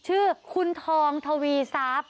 ชื่อคุณทองทวีทรัพย์